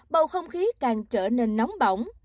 bầu không khí càng trở nên nóng bỏng